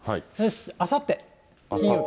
あさって金曜日。